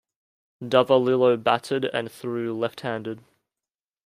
Davalillo batted and threw left-handed.